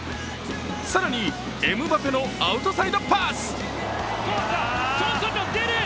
更に、エムバペのアウトサイドパス！